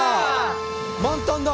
満タンだ！